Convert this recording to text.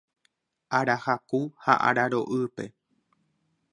arahaku ha araro'ýpe